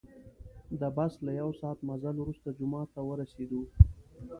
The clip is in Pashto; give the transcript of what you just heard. د بس له یو ساعت مزل وروسته جومات ته ورسیدو.